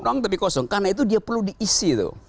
menang tapi kosong karena itu dia perlu diisi